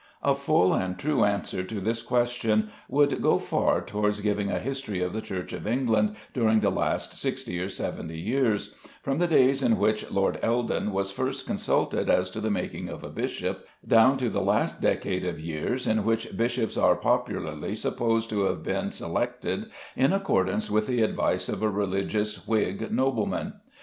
A full and true answer to this question would go far towards giving a history of the Church of England during the last sixty or seventy years, from the days in which Lord Eldon was first consulted as to the making of a bishop, down to the last decade of years in which bishops are popularly supposed to have been selected in accordance with the advice of a religious Whig nobleman.